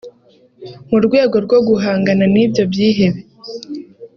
mu rwego rwo guhangana n’ibyo byihebe